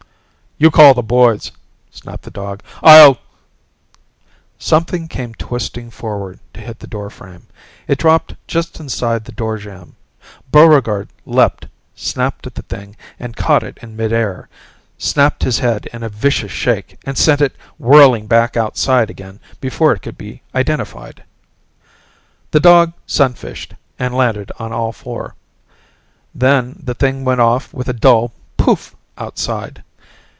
"You call the boys," snapped the dog. "I'll "Something came twisting forward to hit the doorframe, it dropped just inside the doorjamb. Buregarde leaped, snapped at the thing and caught it in midair, snapped his head in a vicious shake and sent it whirling back outside again before it could be identified. The dog sunfished and landed on all four. Then the thing went off with a dull pouf! outside.